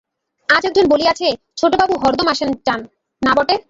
আজ একজন বলিয়াছে, ছোটবাবু হরদম আসেন যান, না বটে?